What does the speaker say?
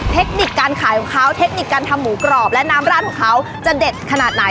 เทคนิคการขายของเขาเทคนิคการทำหมูกรอบและน้ำราดของเขาจะเด็ดขนาดไหน